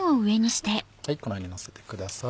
このようにのせてください。